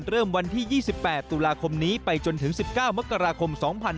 เริ่มวันที่๒๘ตุลาคมนี้ไปจนถึง๑๙มกราคม๒๕๖๒